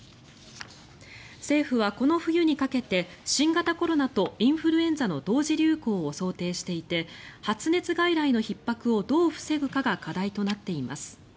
政府は、この冬にかけて新型コロナとインフルエンザの同時流行を想定していて発熱外来のひっ迫をどう防ぐかが課題となっています。